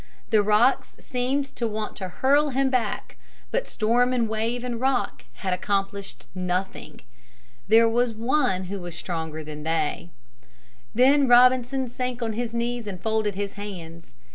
The rocks seemed to want to hurl him back, but storm and wave and rock had accomplished nothing. There was One who was stronger than they. Then Robinson sank on his knees and folded his hands.